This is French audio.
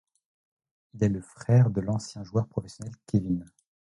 Il est le frère de l'ancien joueur professionnel Kevin.